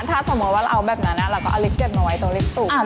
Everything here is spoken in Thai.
ถ้าสมมุติว่าเราเอาแบบนั้นเราก็เอาลิฟเก็บมาไว้ตรงลิฟต์สูง